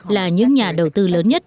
là những nhà đầu tư lớn nhất